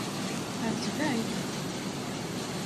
Ɛettbent-k.